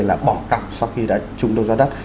là bỏ cặp sau khi đã chung đấu ra đất